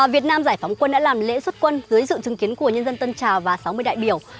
việt nam giải phóng quân đã làm lễ xuất quân dưới sự chứng kiến của nhân dân tân trào và sáu mươi đại biểu